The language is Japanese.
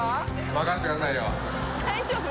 任せてくださいよ大丈夫？